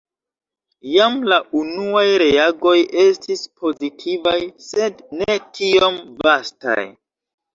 Jam la unuaj reagoj estis pozitivaj, sed ne tiom vastaj.